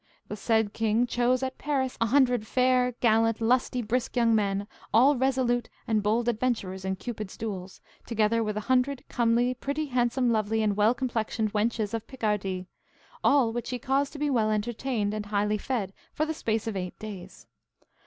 The said king chose at Paris a hundred fair, gallant, lusty, brisk young men, all resolute and bold adventurers in Cupid's duels, together with a hundred comely, pretty, handsome, lovely and well complexioned wenches of Picardy, all which he caused to be well entertained and highly fed for the space of eight days.